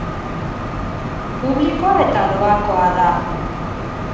Publikoa eta doakoa da.